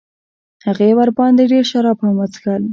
هغه ورباندې ډېر شراب هم وڅښل.